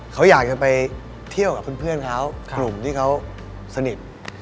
เขาอยากจะไปเที่ยวกับเพื่อนเขากลุ่มที่เขาสนิท